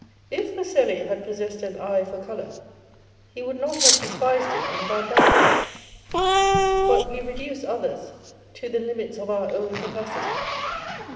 If Fuseli had possessed an eye for colour, he would not have despised it in Vandyke. But we reduce others to the limits of our own capacity.